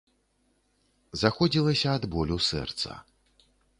Заходзілася ад болю сэрца.